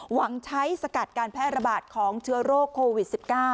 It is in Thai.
หวังใช้สกัดการแพร่ระบาดของเชื้อโรคโควิด๑๙